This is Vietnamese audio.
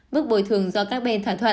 mức bồi thường do các bên thỏa thuận